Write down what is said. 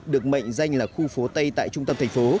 được mệnh danh là khu phố tây tại trung tâm thành phố